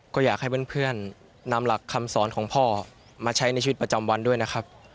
ก็อยากให้เพื่อนนำหลักคำสอนของพ่อมาใช้ในชีวิตประจำวันด้วยนะครับ